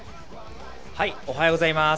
おはようございます。